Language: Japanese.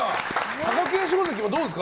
貴景勝関もどうですか？